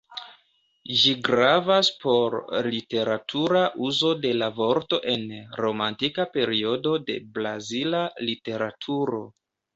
Ĝi gravas por literatura uzo de la vorto en romantika periodo de brazila literaturo.